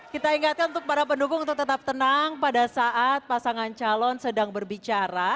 kita ingatkan untuk para pendukung untuk tetap tenang pada saat pasangan calon sedang berbicara